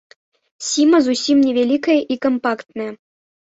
Сіма зусім невялікая і кампактная.